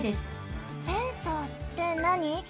センサーってなに？